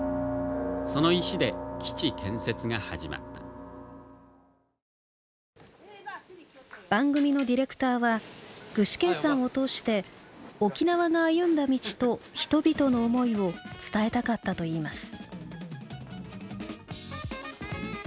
その石で基地建設が始まった番組のディレクターは具志堅さんを通して沖縄が歩んだ道と人々の思いを伝えたかったといいます。